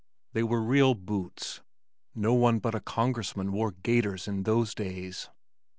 They were real boots. No one but a Congressman wore "gaiters" in those days.